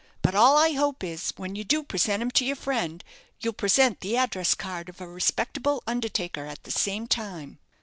But all I hope is, when you do present him to your friend, you'll present the address card of a respectable undertaker at the same time."